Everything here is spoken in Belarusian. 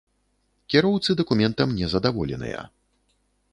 Кіроўцы дакументам не задаволеныя.